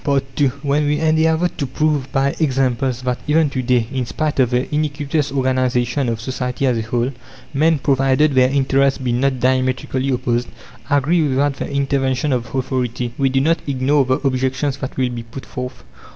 II When we endeavour to prove by examples that even to day, in spite of the iniquitous organization of society as a whole, men, provided their interests be not diametrically opposed, agree without the intervention of authority, we do not ignore the objections that will be put forth.